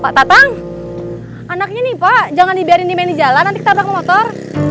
pak tatang anaknya nih pak jangan dibiarin di main di jalan nanti ketabrak motor